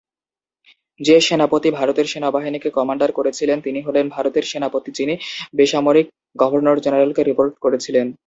যে সেনাপতি ভারতের সেনাবাহিনীকে কমান্ডার করেছিলেন তিনি হলেন ভারতের সেনাপতি যিনি বেসামরিক গভর্নর-জেনারেলকে রিপোর্ট করেছিলেন।